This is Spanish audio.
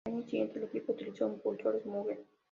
Al año siguiente, el equipo utilizó impulsores Mugen.